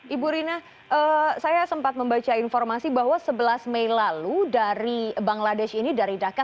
ibu rina saya sempat membaca informasi bahwa sebelas mei lalu dari bangladesh ini dari dhaka